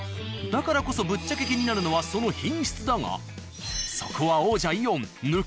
だからこそぶっちゃけ気になるのはその品質だが。